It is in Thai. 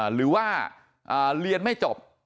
หรือว่าเรียนไม่จบ